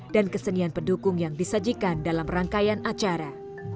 dan kesenian pendukung yang disajikan dalam rangkaian acara